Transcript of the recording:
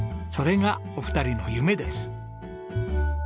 それがお二人の夢です。